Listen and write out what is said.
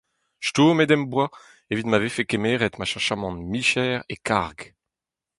Stourmet em boa evit ma vefe kemeret ma cheñchamant micher e karg.